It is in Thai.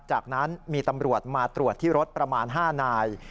จากนั้นมีตำรวจมาตรวจที่รถประมาณ๕นาย